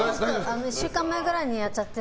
１週間前くらいにやっちゃって。